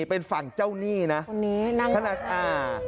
เป็นฝั่งเจ้านี่นะคนนี้นั่ง